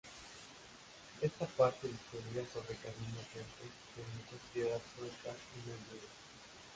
Esta parte discurría sobre caminos lentos con muchas piedras sueltas y muy duros.